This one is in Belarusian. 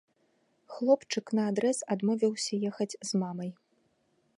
Хлопчык наадрэз адмовіўся ехаць з мамай.